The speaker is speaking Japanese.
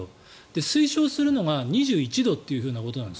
推奨するのが２１度ということなんです。